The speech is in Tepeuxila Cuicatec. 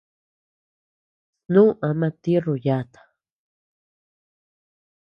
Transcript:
Snu ama tirru yata.